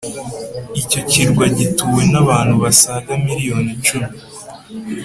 Icyo kirwa gituwe nabantu basaga miliyoni icumi